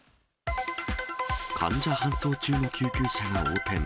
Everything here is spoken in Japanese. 患者搬送中の救急車が横転。